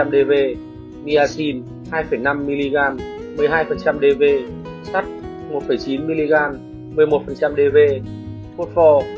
một mươi bảy dv myasin một mươi hai dv sắt phốt pho bảy dv